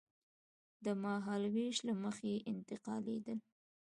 د مهالوېش له مخې انتقالېدل.